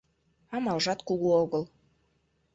Амалжат кугу огыл.